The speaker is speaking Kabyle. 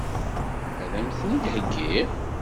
Ad m-ten-id-heggiɣ?